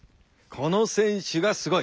この選手がすごい。